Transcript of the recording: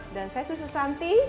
dan saya susu santi